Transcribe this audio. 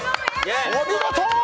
お見事！